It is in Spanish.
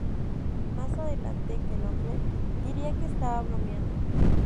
Más adelante Knopfler diría que estaba bromeando.